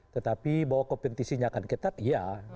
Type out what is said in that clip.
tetapi bahwa kompetisinya akan ketat ya